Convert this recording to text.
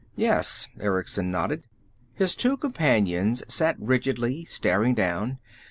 "Yes." Erickson nodded. His two companions sat rigidly, staring down.